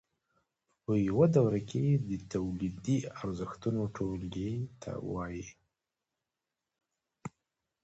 په یوه دوره کې د تولیدي ارزښتونو ټولګې ته وایي